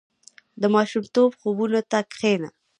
• د ماشومتوب خوبونو ته کښېنه.